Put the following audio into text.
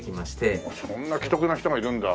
そんな奇特な人がいるんだ。